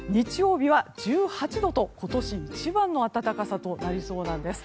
日曜日は１８度と今年一番の暖かさとなりそうです。